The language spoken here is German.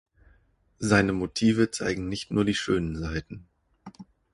Seine Motive zeigen nicht nur die schönen Seiten.